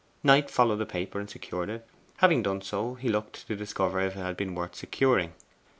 Knight followed the paper, and secured it. Having done so, he looked to discover if it had been worth securing.